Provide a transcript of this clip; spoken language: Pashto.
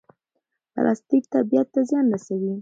پلاستیک طبیعت ته زیان رسوي.